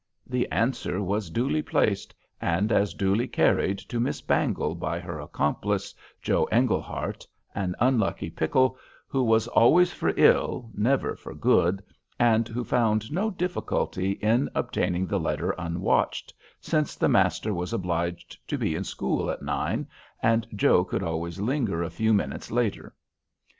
The answer was duly placed, and as duly carried to Miss Bangle by her accomplice, Joe Englehart, an unlucky pickle who "was always for ill, never for good," and who found no difficulty in obtaining the letter unwatched, since the master was obliged to be in school at nine, and Joe could always linger a few minutes later.